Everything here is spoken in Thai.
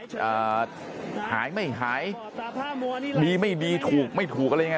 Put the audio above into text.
จะหายไม่หายดีไม่ดีถูกไม่ถูกอะไรยังไง